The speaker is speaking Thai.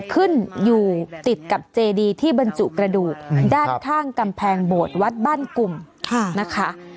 ขึ้นอยู่ติดกับเจดีที่บรรจุกระดูกด้านข้างกำแพงโบสถ์วัดบ้านกลุ่มนะคะ